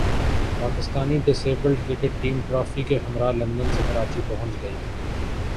Pakistani disabled cricket team trophy کے ہمراہ London سے کراچی پہنچ گئی